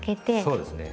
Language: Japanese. そうですね。